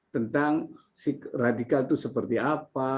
tentang radikal itu seperti apa